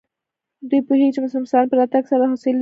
دوی پوهېږي چې د مسلمانانو په راتګ سره حوصلې لوړېږي.